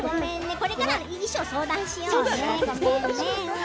これからは衣装、相談しようね。